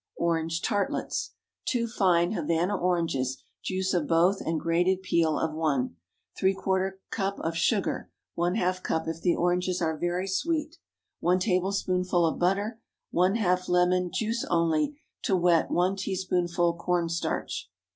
ORANGE TARTLETS. 2 fine Havana oranges, juice of both, and grated peel of one. ¾ cup of sugar ½ cup if the oranges are very sweet. 1 tablespoonful of butter. ½ lemon—juice only, to wet 1 teaspoonful corn starch.